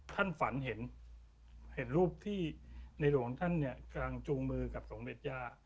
ท่านฝันเห็นรูปที่ในหลวงท่านกลางจูงมือกับส่งเด็ดย่า